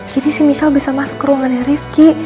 jadi si michelle bisa masuk ke ruangannya rizky